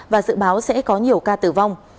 và dự báo sẽ có nhiều ca tử vong